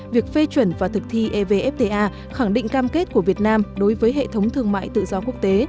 việc phê chuẩn và thực thi evfta khẳng định cam kết của việt nam đối với hệ thống thương mại tự do quốc tế